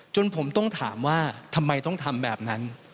จนผมต้องถามว่าทำไมต้องทำแบบนั้น